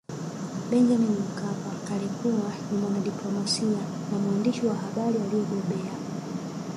Benjamin Mkapa alikuwa ni mwanadiplomasia na mwandishi wa habari aliyebobea